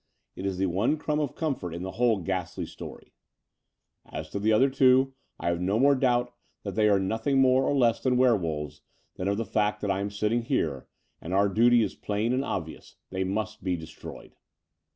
It is the one crumb of comfort in the whole ghastly story. As to the other two, I The Dower House 231 have no more doubt that they are nothing more or less than werewolves than of the fact that I am sitting here: and our duty is plain and obvious. They must be destroyed."